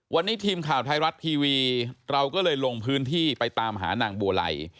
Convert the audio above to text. วันนี้ทีมข่าวไทยรัฐทีวีเราก็เลยลงพื้นที่ไปตามหานางบัวไล